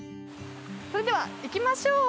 それでは行きましょう。